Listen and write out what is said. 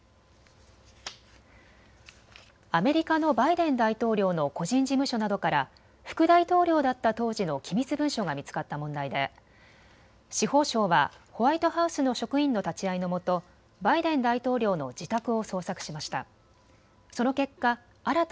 アメリカのバイデン大統領の個人事務所などから副大統領だった当時の機密文書が見つかった問題で司法省はホワイトハウスの職員の立ち会いのもとバイデン大統領の自宅を捜索しました。